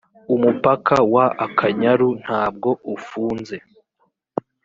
umupaka wa akanyaru ntabwo ufunze